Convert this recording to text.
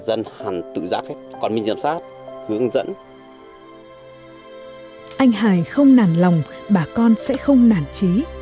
anh hải không nản lòng bà con sẽ không nản trí